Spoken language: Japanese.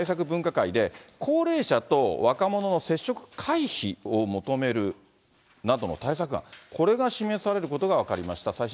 分科会で、高齢者と若者の接触回避を求めるなどの対策案、これが示されることが分かりました。